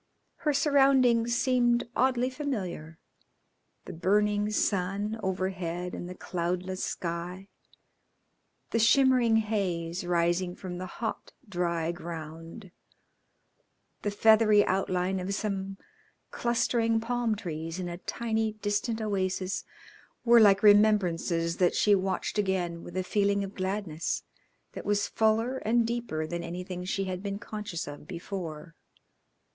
Her surroundings seemed oddly familiar. The burning sun overhead in the cloudless sky, the shimmering haze rising from the hot, dry ground, the feathery outline of some clustering palm trees in a tiny distant oasis were like remembrances that she watched again with a feeling of gladness that was fuller and deeper than anything that she had been conscious of before.